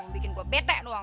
bikin gua bete doang